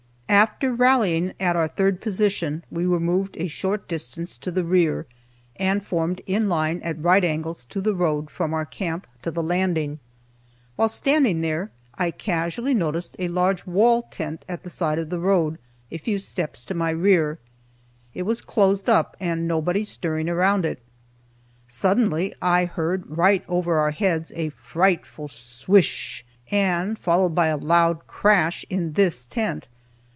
After rallying at our third position, we were moved a short distance to the rear, and formed in line at right angles to the road from our camp to the landing. While standing there I casually noticed a large wall tent at the side of the road, a few steps to my rear. It was closed up, and nobody stirring around it. Suddenly I heard, right over our heads, a frightful "s s wis sh," and followed by a loud crash in this tent.